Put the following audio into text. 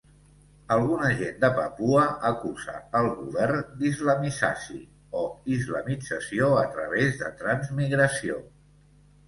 Alguna gent de Papua acusa al govern d'"Islamisasi", o islamització a través de transmigració.